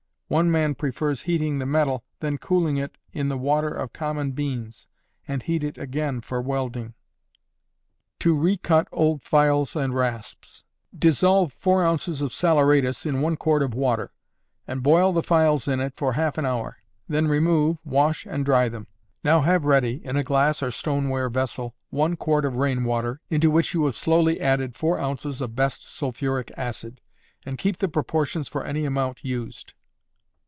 One man prefers heating the metal, then cooling it in the water of common beans, and heat it again for welding. To recut old Files and Rasps. Dissolve 4 oz. of saleratus in 1 quart of water, and boil the files in it for half an hour; then remove, wash and dry them. Now have ready, in a glass or stoneware vessel, 1 quart of rain water, into which you have slowly added 4 oz. of best sulphuric acid, and keep the proportions for any amount used.